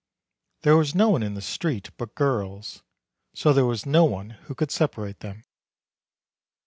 There was no one in the street but girls, so there was no one who could separate them.